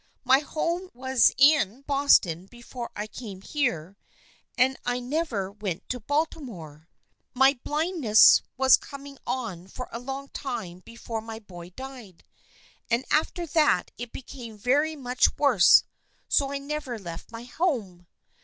My home was in Boston before I came here, and I never went to Baltimore. My 286 THE FRIENDSHIP OF ANNE blindness was coming on for a long time before my boy died, and after that it became very much worse, so I never left my home.